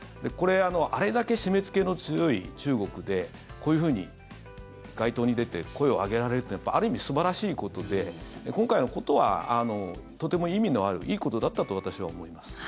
あれだけ締めつけの強い中国でこういうふうに街頭に出て声を上げられるというのはある意味、素晴らしいことで今回のことは、とても意味のあるいいことだったと私は思います。